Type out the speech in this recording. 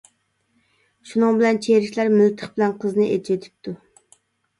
شۇنىڭ بىلەن چېرىكلەر مىلتىق بىلەن قىزنى ئېتىۋېتىپتۇ.